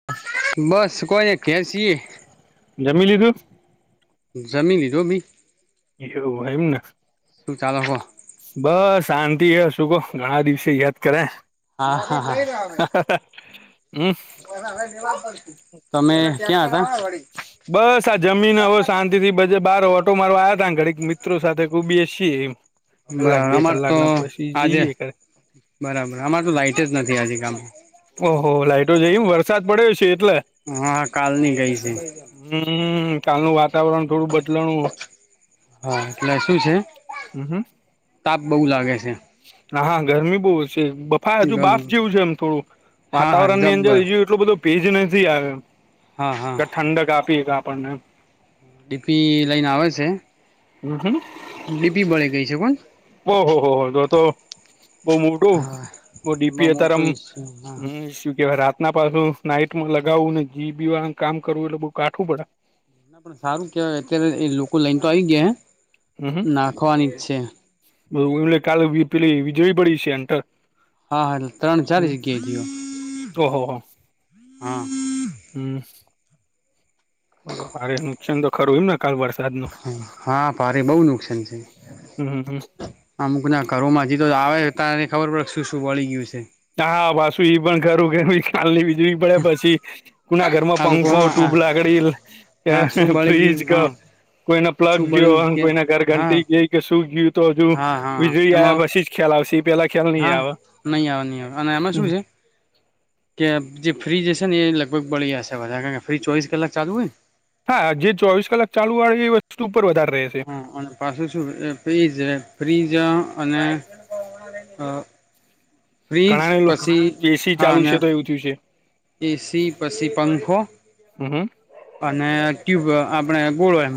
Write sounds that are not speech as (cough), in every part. (inaudible) બસ કોઈને કેસીીએ જમી લીધું જમી લીજો ભી એવ એમને સુ ચાલકોો બસ શાંતિ એ હ શું કહો ઘણા દિવસે યાદ કરાય હા હા હા હમ (inaudible) એવા (inaudible) બસ આ જમીન હો શાંતિ થી બ (unintelligible) જ બાર ઓટો મારવા આવ્યા હતા ઘડીક મિત્રો સાથે કબી છીએ એમ કલાક બરાબર બે અમાર કલાક તો ના પછી આજે જઈએ કરે બરાબર અમાર તો લાઈટ જ નથી આજે કમે ઓહો લાાઈટો જઈ વરસાદ પડ્યો છે એટલા હાા કાલની ગઈ છે હમ કાલનું વાતાવરણ થોડું બદલણું હા એટલે શું છે તાપ બઉ લાગે છે હા હા ગરમી બહુ છે હા હજુ બાફ જેવું છે એમ થોડું હા હા વાતાવરણ ની અંદર જબ્બર હીજ એટલો બધો ભેજ નથી આવે એમ હા હા ઠંડ કાપીએ આપણને ડીપી લઈને આવે છે હમ હ ડીપી બળે ગઈ છે પણ ઓહહ હો હો જો તો બહ મોઢું હા વ બહુ ડીપી હ મોટો તરમ ઇસ્યુ હા હમું કે ભ રાત પાછ નાઈટમાં લગાવું ને જી બીવા કામ કરવું એટલે બઉુ કાઠવું પડે ના પણ સારું કેવાય અત્યારે એ લોકો લઈન તો આવી ગયા નાખવાની જ છે બધ એમલે કાલે પેલી વીજળી પડી છે એર હા હા એટ ત્રણ ચલી જગ્યાએ જઓ ઓહો હો હા હમ ભારે નુકસાન તો ખરું હોયમ ને કાલ વરષ હા પારી બહુ નુકસાન છે હમ હમ અમુકનાં ઘરોમાં જીતો તો આવે તાને ખબર પડે શું શું વળી ગયું છે હા પાસુ એઈ પણ ઘરું ઘરું કાલની વીજળી પડે પછી કુના ઘરમાં આ લોકો પંખો હા ટ્યુબ લાગડીલ હા શું બળી ગયું ફ્ર્રીજ ક હા કોઈને પ્લગ શું ગ્યો બળ્યું કે કોઈના ઘર હા ઘંટી ગઈ કે શું ગ્યું તો હજુ હા હા વીજળી એમાં આવ પછી જ ખ્યાલ‌ આવશે ઈ પેલા ખ્યાલ નહી હા આવે નય આવે ની આવે અને આમાં હમ શું છે? કે જે ફ્રીજ હશે ને એ લગભગ બળી જાશે વધારે ઘરે ફ્રી ચોવીસ કલાક ચાલુ હોય ને હા જે ચોવીસ કલાક ચાલુ આવે એ વસ્તુ ઉપર વધારે રહેશે. હા અને પાછું શુંહે ફ્રીજ હે ફ્રીજ અને હા ફ્રીજ ઘણાને લો પછી એસી હા ચાલુ અને છે તો એવું થયું છે એ સી પસી પંખો હહહ અને ટ્યુબ આપડે ગોળો એમ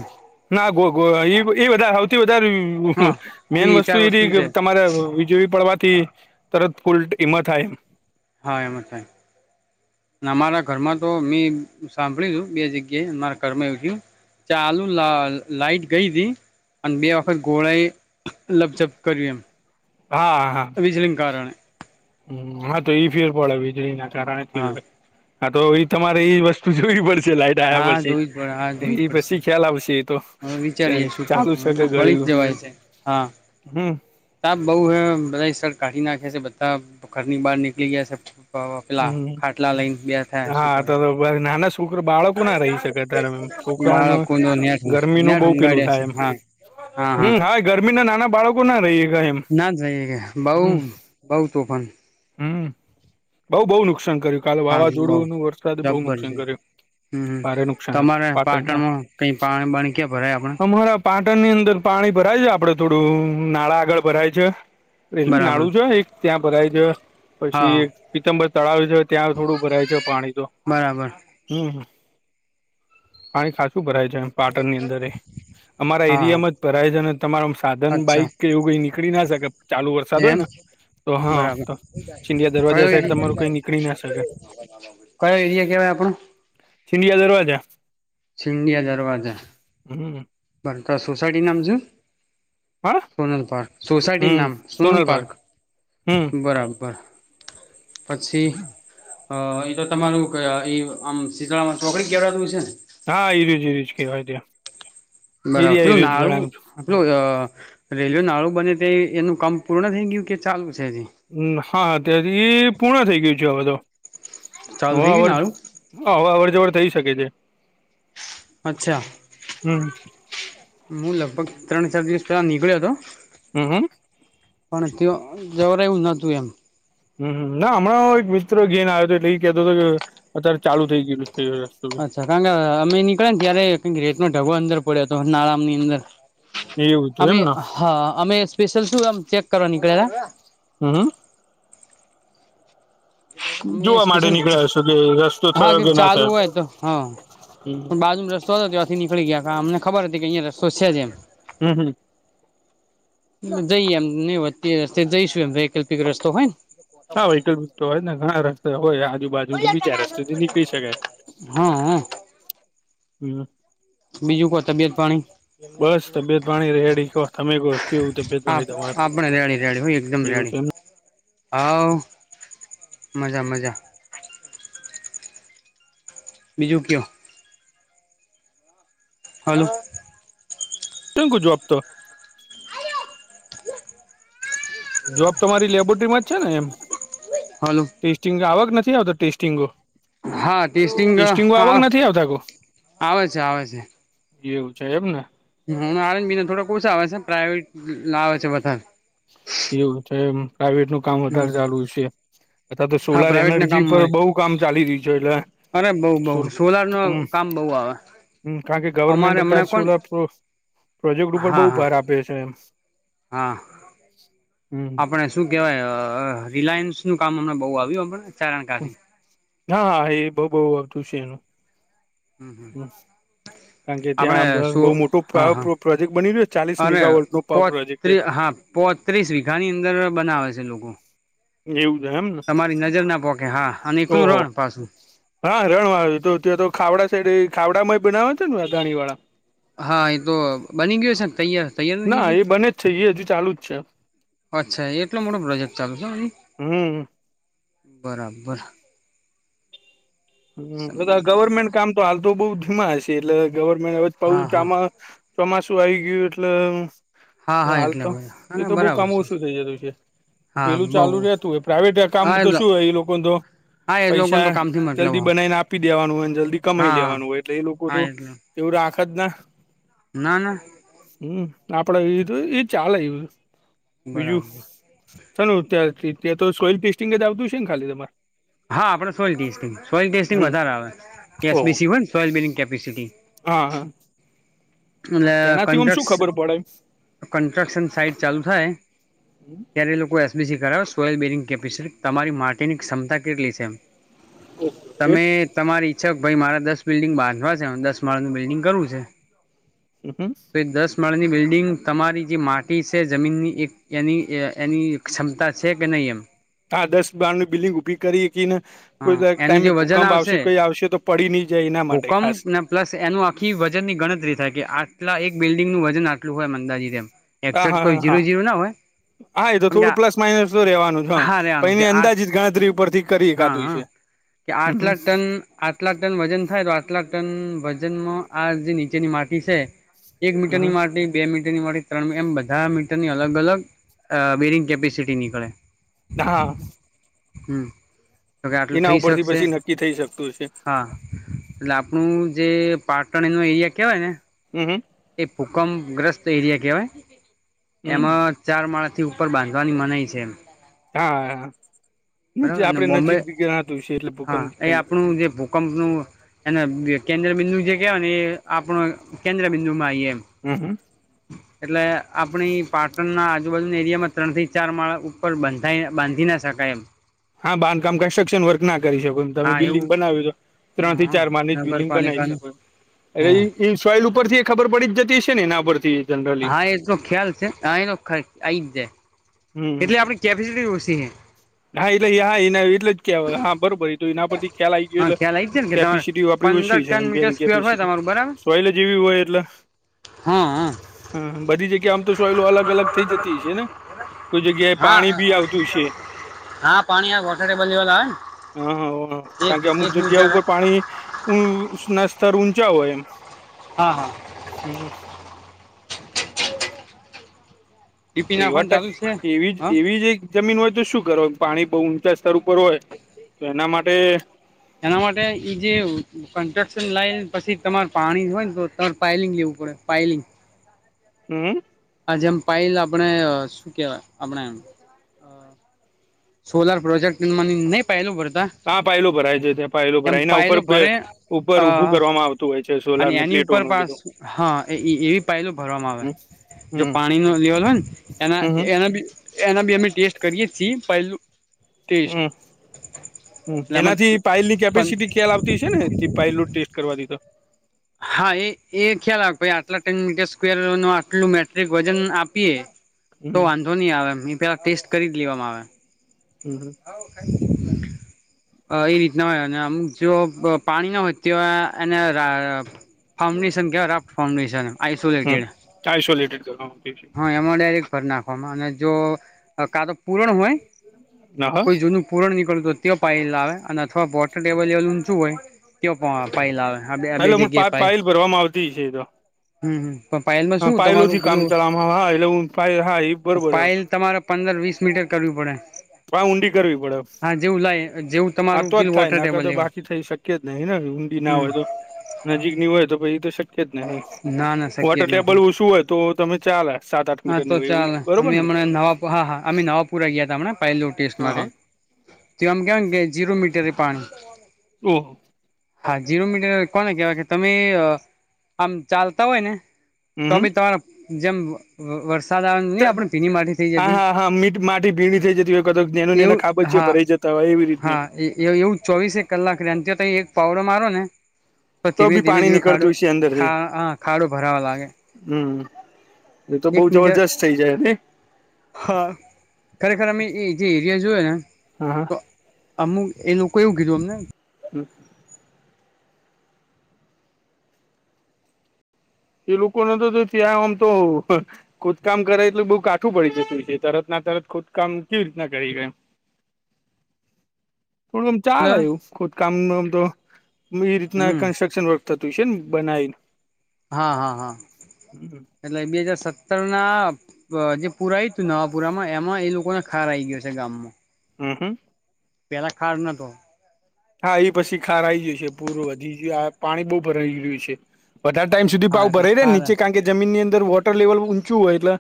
ના ગોગો એ બ ઈ બધા સૌથી વધારે હા મેન વસ્તુ ચાર એ છેકે છે તમારે વીજળી પડવા થી તરત ફૂલ ડીમ હ થાય હા એમાજ થાય ને અમારા ઘરમાં તો મે સાંભળ્યુ તું બે જગ્યાએ ન મારા ઘર માં એવું થ્યું ચાલુ લા લાઈટ ગઈતી અને બે વખત ગોળાએ લપઝપ કર્યું એમ હા હા વિજળીન કારણે હમ્મ હા તો ઈ ફેર પડે વીજળીના કારણે બી હા હોય હા તો એ તમારે ઈ વસ્તુ જોવી પડશે લાઈટ (unintelligible) યા હા પછી જોવી જ પડે હા જોવી જ એ પડશે પછી ખ્યાલ આવેશે એ તો હવે ત વિચારીએ શું ચાલુ કરવું છેકે એટલે બળી ગયું? જ જવાય છે હા હમ્મ તાપ બહુ હૈ બધાએ શર્ટ કાઢી નાખે છે બધા પ ઘરની બહાર નીકલી ગયા સે અઅ પેલા ખાટલા લઈને બેઠા છે શું કરે બરનાનસ છોકરા બાળકો ના રહી શકે ત્યારે એમ છોકરાઓનું બાળકો નો નેટ ગરમીનું નેટ બ‌ઉ પેલું ઊંગાડ્યા છે થાય એમ હા હા હમ્મ હા ગરમીનાં નાના બાળકો ના રહી હકાય એમ ના જઈ હકે બઉ હમ બઉ તોફાન હમ બ‌ઉ બહુ નુકસાન કર્યું કાલે હા બઉ વાવાઝોડું ન વરસાદ બઉ જબ્બર નુકસાન છે કર્યું. હમ ભારે નુકસાન તમારે (unintelligible) પાટણના પાટણમાં કઈ પાણી બાણી ક્યાં ભરાય આપણે અમારા પાટણની અંદર પાણી ભરાય છે આપડે થોડું અ નાળા આગળ ભરાય છે રેલ્વે બરાબર નાળુ છ એક ત્યાં ભરાય છે હા પછી હા એક પીતમ્બર તળાવ છે ત્યાં થોડું ભરાય છે પાણી તો બરાબર હમ્મ હ પાણી ખાસ્સું ભરાય છે પાટણની અંદરેય અમારા હા હા એરિયામાં જ ભરાય છે ને તમારમ સાધન અચ્છા બાઈક કે એવું કઈ નીકળી ના શકે ચાલુ વરસાદ હોય એમ ને તો હા બરાબર તો ચિંધ્યા દરવાજા સાઈડ (unintelligible) તમારું કઈ નીકળી ના શકે કયો એરિયા કેવાય આપણો? સિંધિયા દરવાજા સિંદિયા દરવાજા હમ્મ પણ તાર સોસાયટીન નામ શું? હા સોનલપાર્ક સોસાયટી હમ નામ સોનલ પાર્ક સોનલપાર્ક હમ બરાબર પછી હ એ તો તમારું એ આમ શીતળામાં ચોકડી કેવાતું હશે ને? હા એરીયો જ એજ કહેવાય ત્યા એરીયો એરયોજ ગણાય આપેલું અ રેલ્વેનાળું બને તે એનું કામ પૂર્ણ થઈ ગયું કે ચાલુ છે હજી? હમ્મ હા ત્યાંથીઈઈઈ પૂર્ણ થઈ ગયું છે હવે ચાલુ થઈ ગયું તો નાળું (unintelligible) હ હવે અવર જવર થઈ શકે છે અચ્છા હમ હું લગભગ ત્રણ ચાર દિવસ પેલા નીકળ્યો હતો હમ હમ પણ ત્યાં જવાય એવું નતું એમ હમ હમ ના હમણાં એક મિત્ર ઘેન આવ્યો હતો એટલે એ કેતો હતો કે અત્યારે ચાલુ થઈ ગયું છે તે વત ણ કે અમે નીકળ્યાે ને ત્યારે રેટ નો ઢગો અંદર પડ્યો હતો નાળમ ની અંદર એવું હતું અમે એમને હા અમે સ્પેશિયલ શું આમ ચેક કરવા નીકળ્યા હતા. (inaudible) અમે જોવા માટે સ્પેશિયલ નીકળ્યા હશો કે રસ્તો હા થયો કે ના ચાલુ થયો હોય તો હા પણ હમ બાજુ રસ્તો હતો ત્યાંથી નીકળી ગયા અમને ખબર હતી કે અહીંયા રસ્તો છે જ એમ હમ હમ. જઈ એમ હી હો એ રસ્તે જઈશું એમ વૈકલ્પિક રસ્તો હોય ને હા વહીકલ તો હોય ને ઘણા રસ્તે હોય આજુબાજુ ને બીજા રસ્થી નીકળી શકાય હા હા હમ બીજું કો તબિયત પાણી બસ તબિયત પાણી રેડી તમે કો કેવું તબિયત આપ પાણી તમારે આપણે રેડી રેડી હોય એકદમ એવું રેડી છે એમ આવ. મજા મજા બીજું કયો. હલો. કેમ કો જવાબ તો જોબ તમારી લેબોરેટરીમાં છે ને એમ હલો. ટેસ્ટિંગ આવવાક નથી આવતો ટેસ્ટિંગો હા ટેસ્ટિંગ ટેસ્ટિંગો આવક આવે નથી આવતા કો આવે છે આવે છે. એવું છે એમ ને હ હ આનજ બી થોડો કોશ આવે છે પ્રાાઈવેટાવે છે બધા એવું છે પ્રાઈવેટ નું કામ વધારે ચાલુ છે. અથા તો હા સોલાર પ્રાઇવેટ ને કામ એનર્જી પર મળે બહુ કામ ચાલી રહ્યું છે એટલે અરે બઉ બઉ સોલ સોલાર નું હમ કામ બઉ આવે કારણ કે અમારે ગવર્મેન્ટ હમણાં તાર કોણ સોલાર પ્રોજેક્ટ ઉપર હા બહુ હા ભાર આપે છે એ હા હમ આપણે શું કેવાય રિલાયન્સ નું કામ અમને બઉુ આવ્યુંમ ચારણ કસી હા હા એ બહુ બહુ આવતું છે એનું હમ હમ કારણ કે ત્યાં બહુ મોટો પર હા પ્રોજેક્ટ બની રહ્યો છે ચાલીસ અને મેગાવોલ્ટ ન પાવર પ્રોજેક્ટ છે. પોત્રી હા પોત્રીસ વીઘાની અંદર બનાવે છે લોકો એવું જ એમ ને મા નજર ના પો કે હા અને એકલું રણ પાછું હા રણવા તો ત્યાં તો ખાવડા સાઈડ ખાવડામાં બનાવે છે ને આ ગાણી વાળા હા એ તો બની ગય હોય છે તૈયાર તૈયાર નથી ના એ ગયો બને જ છે એ હજુ ચાલુ જ છે. અચ્છા એટલો મોટો પ્રોજેક્ટ ચાલુ છે. હમ બરાબર. હ એ સમજી આ ગયો ગવર્મેન્ટ કામ તો હાલ તો બઉ ધીમા હશે એટલે ગવર્મેન્ટ હા હા હવેામાં ચોમાસું આવી ગયું એટલે હા હા હાલ એટલે તો એ બરા તો બહ બરાબર કામ છે ઓછું થઇ જતું છે. હા પેલું બઉ ચાલુ રહેતું પ્રાઇવેટ કામ તો શું એ લોકો તો હા એ લોકોને પૈસા તો કામથી મતલબ જલ્દી હા બનાવીને આપી દેવાનું હોય ને જલ્દી કમાઈ હા લેવાનું હોય, એટલે એ લોકો હા તો એટલે એવું આખ જ ના ના ના. હમ આપડે ચાલે એ બીજું સ બરાબર ત્યાં ત્યા તો સોઈલ ટેસ્ટિંગ જ આવતું છે ને ખાલી તમારે હા આપડે સોઇલ ટેસ્ટિંગ સોઇલ ટેસ્ટિંગ હમ વધારે આવે ઓહ એસબીસી હોય ને સોલ બિલિંગ કેપેસિટી હા હા. એટલે એનાથી આમ શું ખબર પડે ક કન્સ્ટ્રક્શન સાઈટ ચાલુ થાય હમ (inaudible) ત્યારે લોકો એસબીસી કરાવે સોયલ બીરિંગ કેપેસિટી તમારી માટેની ક્ષમતા કેટલી છે ઓકે તમે તમારી ઈચ્છક ભાઈ મારા દસ બિલ્ડિંગ બાંધવા છે દસ માળનું બિલ્ડિંગ કરવું છે હ હ તો દસ માળાની બિલ્ડિંગ તમારી જે માટી છે જમીનની એક એની એની ક્ષમતા છે કે નહીં એમ હા દસ બાર ન બિલિંગ ઉભી કરી ને કોઈ હા એનું ટાઈમે જે વજન ભૂકંપ આવશે કોઈ આવશે તો પડી નહી જાય એના માટે ખાસ ભૂકંપ ને પ્લસ એનું આખી વજનની ગણતરી થાય કે આટલા એક બિલ્ડિંગનું વજન આટલું હોય મંદાજી તેમ હા એકસઠ હા કોઈ હા ઝીરો હા ઝીરો ના હોય હા એ તો પણ કે થોડું પ્લસ માઇનસ તો રેવાનું છે હા રે પણ આનું કે એની આ અંદાજ જ ગણતરી ઉપરથી કરી હા એકાતું હા છે કે હમ આઠ લાખ ટન આઠ લાખ ટન વજન થાય તો આઠ લાખ ટન વજનમાં આ જે નીચેની માટી છે એક હમ મીટરની માટે બે મીટરની મળ ત્રણ મીટર એમ બધા મીટરની અલગ અલ અ બેરિંગ કેપેસિટી નીકળે હા હમ તો કે આટલું એના થઈ ઉપરથી શકશે પછી નક્કી થઈ શકતું છે હા એટલે આપણું જે પાટણ એનું એરિયા કહેવાય ને હમ હમ એ ભૂકંપગ્રસ્ત એરિયા કહેવાય હમ હમ એમાં ચાર માળાથી ઉપર બાંધવાની મનાય છે હા બરાબર ને આપડે બોમ્બે નજીક જણાતું છે એટલે હા ભૂકંપ એ કેન્દ્ર આપણું જે ભૂકંપનું એ કેન્દ્ર બિંદુ જે કેહેવાય ને એ આપણ કેન્દ્ર બિંદુ માં એમ હમ હમ એટલે આપણી પાટણ ના આજુબાજુના એરિયામાં ત્રણ થી ચાર માળા પણ બાંધ બાંધી ના શકાય એમ હા બાંધકામ કન્સ્ટ્રક્શન વર્ક ના કરી શકો તમે હા બિલ્ડિંગ એવું બનાવ્યું તો હા ત્રણ થી ચાર માની હા જ બલિંગ બનાવી નગરપાલિકાનું શકો એટલે હા ઇન સોઈલ ઉપર થી એ ખબર પડી જતી હ ને એના પર થી હા એ તો ખ્યાલ છે હા એનો આઈ જ જાય હમ એટલે આપણી કેપેસિટી ઓછી છે હા એટલે હાના એટલે જ કેવાય હા બરોબર એ એના પર થી ખ્યાલ આવી ગયો હા એટલે ખ્યાલ આવી જ છે ને કે તમારે કેપિસિટી આપડી પંદર ઓછી છે ટન મીટર એમબની સ્ક્વેર હોય કેપેસિટી તમારું બરાબર સોયલ જેવી હોય એટલે હા હા બધી જગ્યા આમ તો સોયલો અલગ અલગ થઇ જતી છે ને કોઈ જગ્યાએ પાણી હા બી આવતું છે હા પાણી આ વોટર ટેબલ લેવલ આવે હા હા ને એક કારણ કે અમુક એક જગ્યા મીટર ઉપર પાણી ના સ્તર ઊંચા હોય એમ હા હા હમ ડીપી એ વા નાખવાનું ચાલુ છે એવી જ હા એવી જ એક જમીન હોય તો શું કરવા પાણી બહુ ઊંચા સ્તર ઉપર હોય તો એના માટે એના માટે ઈ જે કન્સ્ટ્રક્શન લાઈન પછી તમારે પાણી હોય ને તો તમારે પાાયલિંગ લેવું પડે પાયલીિ હમ આ જેમ પલ આપણે શું કેહેવાય આપણે એમ સોલાર પ્રોજેક્ટ મને નહી પહેલું ભડતા હા પાયલો ભરાય છે ત્યાં પાયલો ભરાય એના ઉપર ભરે ઉપર અ ઉઊભું કરવામાં આવતું હોય છે સોલાર અને ને એની ઉપર પ્લેટોન પાસ બધું હા એ એવી પલો ભરવામાં આવે હમ જો હમ પાણી ન લેવાલ હોય ને એના હમ એના ભી અમે ટેસ્ટ કરીએી પહેલ હમ એટલે આમાં એનાથી પાઇલ ની પણ કેપેસિટી ખ્યાલ આવતી છે ને પહેલું ટેસ્ટ કરવા દીધ. હા એ એ ખ્યાલ આવે આટલા ટેન મીટર સ્કવેર ન આટલું મેટ્રિક વજન આપીએ. તો હમ વાંધો નહી આવે એ પેલા ટેસ્ટ કરી લેવામાં આવે. હમ હમ. હા ક (unintelligible) એ રીતના હોય અમક જો પાણી ના હોય તો એને. ફાઉન્ડેશન કેવા્ટ ફાઉન્ડેશન હમ આસોલેટેડ હ. આઇસોલેટેડ કરવામાં આવતી છે ડાયરેક્ટ ભરી નાખવામાં અને જો કાદો પૂરણ હોય. ના હા કોઈ જૂનું પૂરણ નીકળ્યું તો તં પાાય લ આવે અને અથવા વોટરટેલ લેવલ શું હોય. કયો પણ ફાઇલ આવે બે એટલે જગ્યાએ ફાઇલ પાયલ ભરવામાં આવતી છે તો હમ હમ. હા પલોથી કામ ચાલ હ હા એ લવ હા એ બરોબર. પાયલ તમારે પંદર વીસ મીટર કરવી પડે. ભ ઊંડી કરવી પડે. હા જેવું લાય જેવું આ તમારું તો જ પેલું થાય વોટર નેખ ટેબલ તો લેવા બાકી થઇ શકય જ નહીને ઊંડી ના હમ હોય તો. નજીક ની હોય તો પી એ તો શક્ય જ ને ના ના શક્ય વોટર જ નથી ટેબલ ઓછું હોય તો તમે ચાલે. સાત આઠ હા તો મીટરની હોય એવું ચાલ બરોબર અમે ને હમ તો નવા હા હા અમે નવાપુરા ગયા ત હમને પલું ટેસ્ટ હા માટે. હા તો આમ કેવા કે જીરો મીટર એ પાણી. ઓહ. હા જીરો મીટર કોને કેહેવાય કે તમે આમ ચાલતા હોય ને. હમ તોમી તમારા જેમ વર્. હા હા હા મીટ માટી ભીડી થઈ જતી હોય ક નેનું ને એવું ખાબચી હા ભરાઈ જત. તવા ઈવી રી. હા એ એવું ચોવીસેક કલાક રે ત્યા ત એક પાવડો મારો ને. તો ધીમે બી ધીમે પાણી ધીમે ખાડો નીકળતું ખા હા ખાડો ભરાવા લાગે. હમ્મ એતો બઉ એક મીટર જબરજસ્ત થઇ જાયને. હા ખરેખર અમે એ જે એરિયા જોયો ને હા હા તો. અમુક એ લોકો એવું કીધું અમને. હમ. એ લોકોને તો ત્યાં આમ તો હો. ખોદકામ કરે એટલે બઉુ કાઠું પડી જતું છે, તરત ના તરત ખોદકામ કેવી રીતના કરી હકાય એમ. (inaudible) થોડું આમ ચાલ અંદર આવું ખુદકામ નમ તો એ રીતના હમ કન્સ્ટ્રક્શન વર્ક. તથતશન બનાયું. હા હા હા. હમ. એટલે બે હજાર સત્તરના. જે પુરાય હતું નવાપુરામાં એમાં એ લોકોને ખાર આઈ ગયો છે ગામમાં. હમ હમ. પેલા ખાડ નતો. હા એ પછી ખારઈ ગય છે પૂરું વધી ગયું આ પાણી બહુ ભરાઈ ગ્યું છે. વધારે ટાઈમ સુધી હા પાવ એટલે ભરાઈ રે ખાર નીચે કારણ કે જમીનની અંદર વોટર લેવલ ઊંચું હોય એટલે.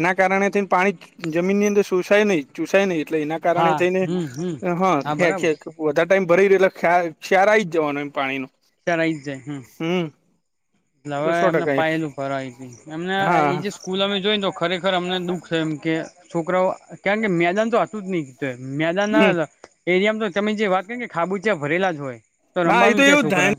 એના કારણે થી પાણી જમીનની અંદર સુસાય નહી ચુસાય નહી એટલે એના. કારણે હા થઈને હમ હમ હા હ બરાબર ખેખે. વધારે ટાઈમ ભરી રહ્યો એટલે ક્ષાર આવી જવાનો એમ પાણી નો. ક્ષાર આવી જાય હં. હમ્મ. હવે એમને પાયલું ફરવાય એમને હા એ જે. સ્કૂલ અમે જોઈને તો ખરેખર અમને દુઃખ થ એમ કે છોકરાઓ કારણ કે મેદાન તો હતું જ નહી. હમ મેદાનના એરિયામાં તો તમે જે વાત કરી કે ખાબુચીયા ભરેલા જ હોય. તો ના એ રમબાનુ કયા એવું જ થાય છોકરાને.